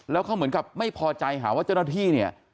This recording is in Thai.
แล้วเขาเหมือนกับไม่พอใจหาว่าเจ้าหน้าที่เนี่ย